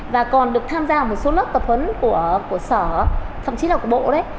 và còn được tham gia một số lớp tập huấn của sở thậm chí là của bộ đấy